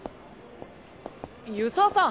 遊佐さん！